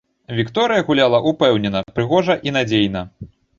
Вікторыя гуляла ўпэўнена, прыгожа і надзейна.